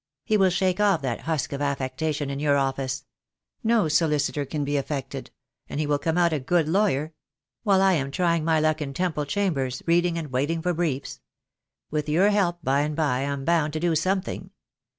He will shake off that husk of affectation in your office — no solicitor can be affected — and he will come out a good lawyer; while I am trying my luck in Temple cham bers, reading, and waiting for briefs. With your help, by and by, I am bound to do something.